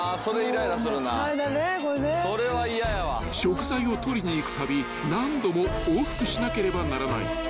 ［食材を取りに行くたび何度も往復しなければならない］